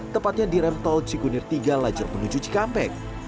tepatnya di rem tol cikunir tiga lajar penuju cikampek